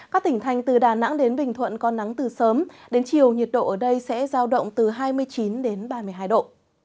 các tỉnh thành từ đà nẵng đến bình thuận có nắng từ sớm đến chiều nhiệt độ ở đây sẽ giao động từ hai mươi chín đến ba mươi hai độ